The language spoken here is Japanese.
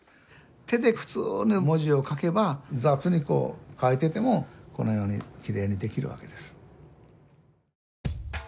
手で普通に文字を書けば雑にこう書いててもこのようにきれいにできるわけです。